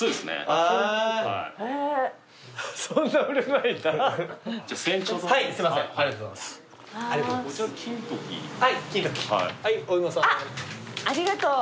あっありがとう。